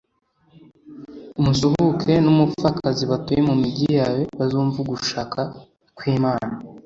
umusuhuke, n’umupfakazi batuye mu migi yawe bazumve ugushaka kw’imana